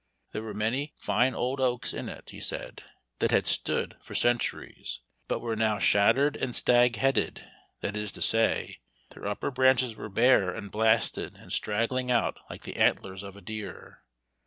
There were many fine old oaks in it, he said, that had stood for centuries, but were now shattered and "stag headed," that is to say, their upper branches were bare, and blasted, and straggling out like the antlers of, a deer.